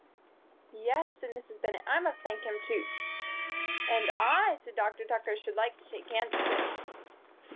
"Yes," said Mrs. Bennett, "I must thank him too." "And I," said Dr. Tucker, "should like to shake hands with him."